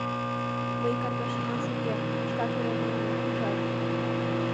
Мый каргашымаш уке, шкак эре мыланем пижат.